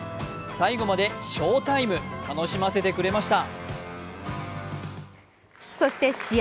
最後まで翔タイム、楽しませてくれました。